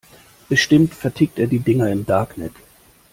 Bestimmt vertickt er die Dinger im Darknet.